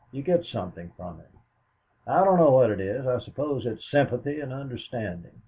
You get something from him I don't know what it is. I suppose it's sympathy and understanding.